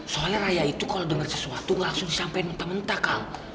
soalnya raya itu kalau denger sesuatu nggak langsung disampaikan mentah mentah kal